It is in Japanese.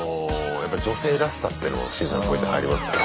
女性らしさっていうのも審査のポイント入りますから。